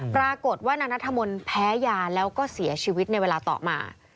ปรากฏว่านางนัทมนต์แพ้ยาแล้วก็เสียชีวิตในเวลาต่อมา